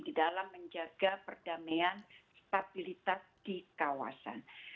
di dalam menjaga perdamaian stabilitas di kawasan